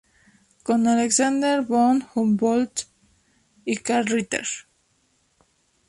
Con Alexander von Humboldt y Karl Ritter.